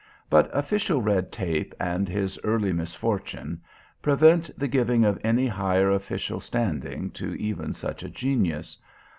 But official red tape, and his early misfortune... prevent the giving of any higher official standing to even such a genius.